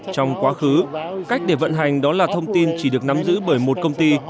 trong quá khứ cách để vận hành đó là thông tin chỉ được nắm giữ bởi một công ty